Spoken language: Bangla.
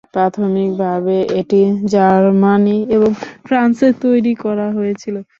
প্রাথমিকভাবে এটি জার্মানি এবং ফ্রান্সে তৈরি করা হয়েছিল।